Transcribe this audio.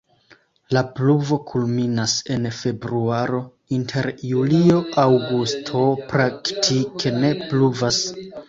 La pluvo kulminas en februaro, inter julio-aŭgusto praktike ne pluvas.